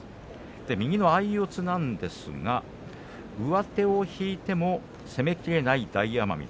右の相四つですが上手を引いても攻めきれない大奄美。